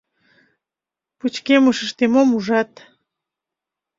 Пычкемышыште мом ужат?